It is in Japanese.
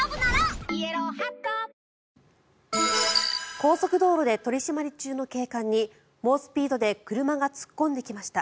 高速道路で取り締まり中の警官に猛スピードで車が突っ込んできました。